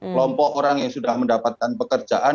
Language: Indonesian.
kelompok orang yang sudah mendapatkan pekerjaan